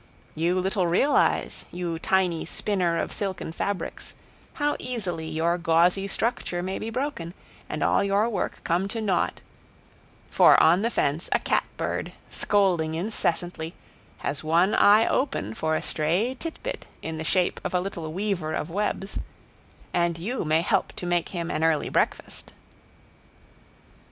You little realize, you tiny spinner of silken fabrics, how easily your gauzy structure may be broken, and all your work come to naught; for on the fence a catbird, scolding incessantly, has one eye open for a stray titbit in the shape of a little weaver of webs, and you may help to make him an early breakfast.